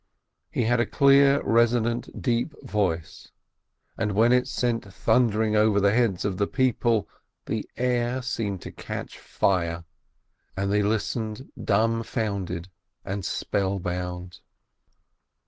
He had a clear, resonant, deep voice, and when he sent it thunder THE LAST OF THEM 573 ing over the heads of his people, the air seemed to catch fire, and they listened dumbfounded and spellbound.